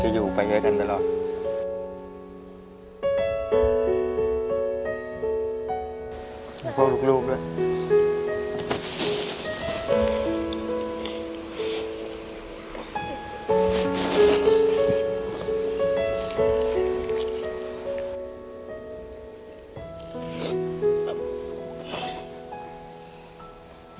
พี่หนุ่มตอนนี้ครอบครัวของเราที่เกิดวิกฤตมากในครอบครัวคืออะไรครับคือเรื่องบ้านครับมันเริ่มซึดสม